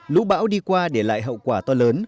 lũ bão đi qua để lại hậu quả to lớn